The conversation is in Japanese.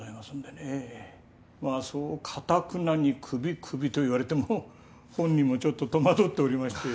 まあそう頑なにクビクビと言われても本人もちょっと戸惑っておりまして。